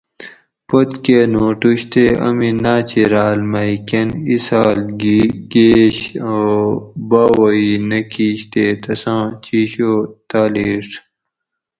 پتکہۤ نوٹوش تے امی ناۤچیراۤل مئ کۤن ایسال گیش او باۤواۤ ای نہ کِیش تے تساں چیشو تالیڄ